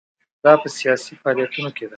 دا په سیاسي فعالیتونو کې ده.